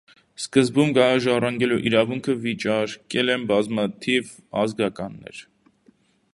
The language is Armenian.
Սկզբում գահը ժառանգելու իրավունքը վիճարկել են բազմաթիվ ազգականներ։